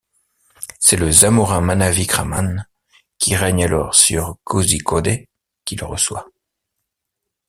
C'est le Zamorin Manavikraman, qui règne alors sur Kozhikode, qui le reçoit.